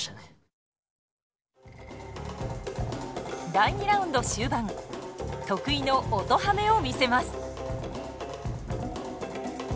第２ラウンド終盤得意の音ハメを見せます。